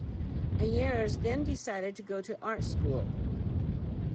Ayres then decided to go to art school.